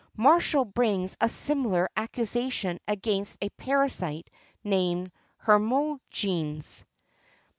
Martial brings a similar accusation against a parasite named Hermogenes.